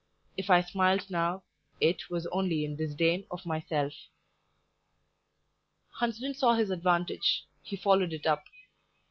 If I smiled now, it, was only in disdain of myself. Hunsden saw his advantage; he followed it up.